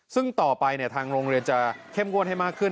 ซึ่งต่อไปทางโรงเรียนจะเข้มงวดให้มากขึ้น